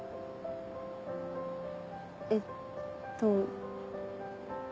えっと。